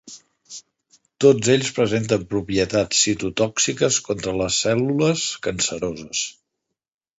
Tots ells presenten propietats citotòxiques contra les cèl·lules canceroses.